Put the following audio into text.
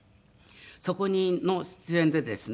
そこの出演でですね